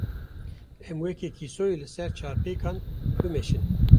Em weke kîsoyê li ser çarpêkan, bimeşin.